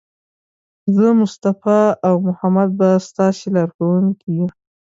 زه، مصطفی او محمد به ستاسې لارښوونکي یو.